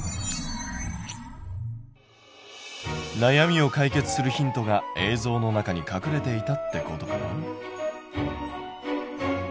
なやみを解決するヒントが映像の中に隠れていたってことかな？